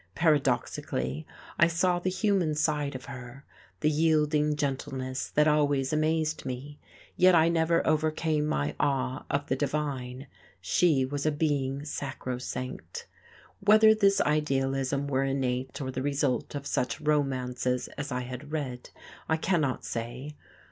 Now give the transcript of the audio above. Paradoxically, I saw the human side of her, the yielding gentleness that always amazed me, yet I never overcame my awe of the divine; she was a being sacrosanct. Whether this idealism were innate or the result of such romances as I had read I cannot say....